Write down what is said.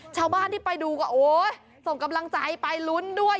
ชาวบ้านที่ไปดูก็โอ๊ยส่งกำลังใจไปลุ้นด้วย